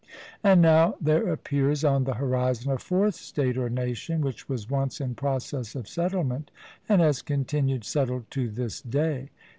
And now there appears on the horizon a fourth state or nation which was once in process of settlement and has continued settled to this day.